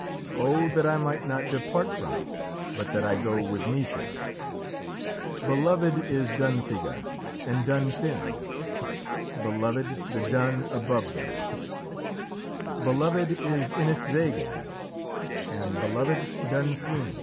O that I might not depart from it, But that I go with Naoise. Beloved is Dunfidgha and Dun Fin; Beloved the Dun above them; Beloved is Innisdraighende; And beloved Dun Suibhne.